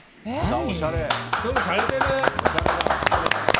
おしゃれ。